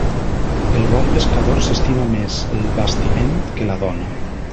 El bon pescador s'estima més el bastiment que la dona.